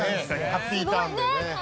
ハッピーターンでね。